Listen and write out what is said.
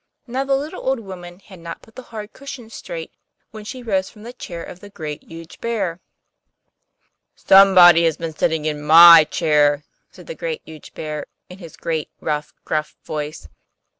Now the little old woman had not put the hard cushion straight when she rose from the chair of the Great, Huge Bear. 'SOMEBODY HAS BEEN SITTING IN MY CHAIR!' said the Great, Huge Bear, in his great, rough, gruff voice.